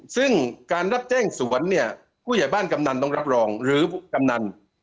ซึ่งการรับแจ้งสวนเนี่ยผู้ใหญ่บ้านกำนันต้องรับรองหรือกำนัน